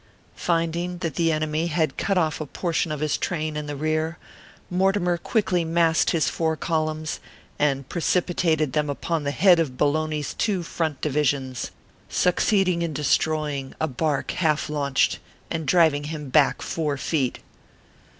Finding that the enemy had cut off a portion of his train in the rear, Mortimer quickly massed his four columns and precipitated them upon the head of Bologna s two front divisions, succeeding in de 366 ORPHEUS C. KE1UI PAPEUS. stroying a bark half launched, and driving him back four feet.